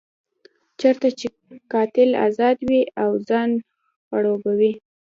چېرته چې قاتل ازاد وي او ځان خړوبوي.